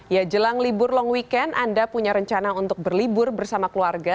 ya jelang libur long weekend anda punya rencana untuk berlibur bersama keluarga